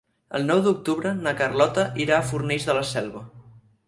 El nou d'octubre na Carlota irà a Fornells de la Selva.